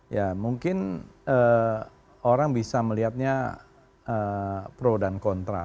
ya mungkin orang bisa melihatnya pro dan kontra